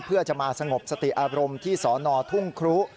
เพื่อจะมาสงบสติอารมณ์ที่สนทุ่งครุ